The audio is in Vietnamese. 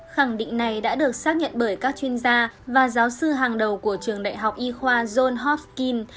khẳng định này đã được xác nhận bởi các chuyên gia và giáo sư hàng đầu của trường đại học y khoa john hopkin